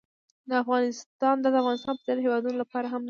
دا د افغانستان په څېر هېوادونو لپاره هم دی.